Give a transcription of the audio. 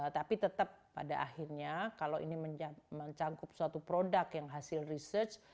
tapi tetap pada akhirnya kalau ini mencangkup suatu produk yang hasil research